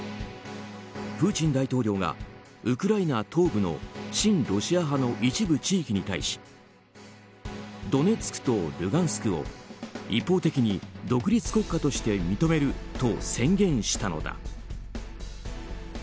プーチン大統領がウクライナ東部の親ロシア派の一部地域に対しドネツクとルガンスクを一方的に独立国家として認めると宣言したのだ。